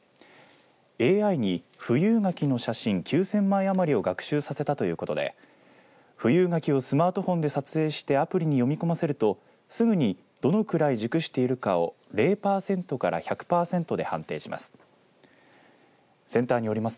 ＡＩに富有柿の写真９０００枚余りを学習させたということで富有柿をスマートフォンで撮影してアプリに読み込ませるとすぐにどのくらい熟柿ているかを０パーセントから１００パーセントで判定します。